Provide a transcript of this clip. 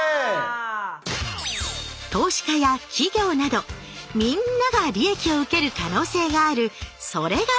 投資家や企業などみんなが利益を受ける可能性があるそれが投資。